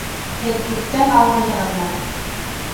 Һеҙ күптән ауырыйһығыҙмы?